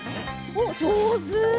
おっじょうず！